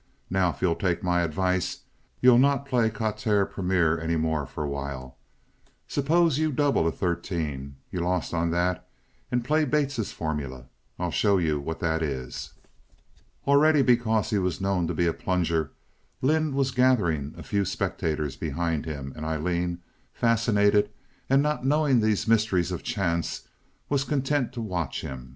Now, if you'll take my advice you'll not play quatre premier any more for a while. Suppose you double a thirteen—you lost on that—and play Bates's formula. I'll show you what that is." Already, because he was known to be a plunger, Lynde was gathering a few spectators behind him, and Aileen, fascinated, and not knowing these mysteries of chance, was content to watch him.